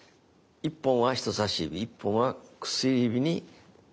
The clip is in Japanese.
１本は人さし指１本は薬指にかけます。